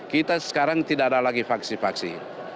kita sekarang tidak ada lagi faksi faksi